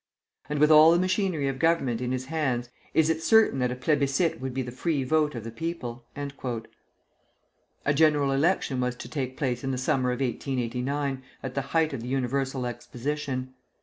And with all the machinery of government in his hands, is it certain that a plébiscite would be the free vote of the people?" A general election was to take place in the summer of 1889, at the height of the Universal Exposition.